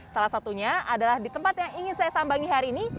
salah satunya adalah di tempat yang ingin saya sambangi hari ini